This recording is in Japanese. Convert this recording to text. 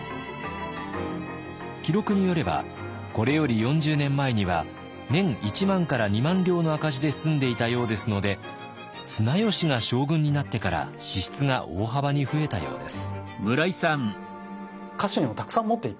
記録によればこれより４０年前には年１万から２万両の赤字で済んでいたようですので綱吉が将軍になってから支出が大幅に増えたようです。